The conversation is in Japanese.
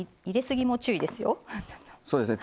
入れ過ぎも注意ですよ。